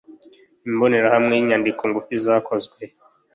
imbonerahamwe n inyandiko ngufi zakozwe